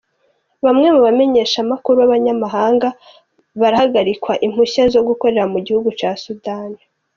Bamwe mu bamenyeshamakuru b'abanyamahanga barahagarikiwe impusha zo gukorera mu gihugu ca Sudani.